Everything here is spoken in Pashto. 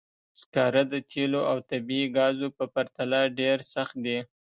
سکاره د تېلو او طبیعي ګازو په پرتله ډېر سخت دي.